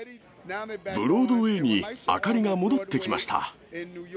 ブロードウェイに明かりが戻ってきました。